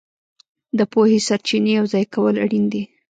د پوهې سرچینې یوځای کول اړین دي.